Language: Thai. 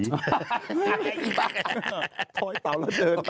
พ้อเตาแล้วเดินตามทาง